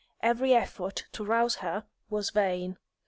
Every effort to rouse her was vain.